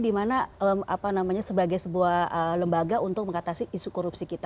dimana sebagai sebuah lembaga untuk mengatasi isu korupsi kita